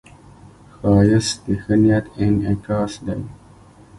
ښایست د ښه نیت انعکاس دی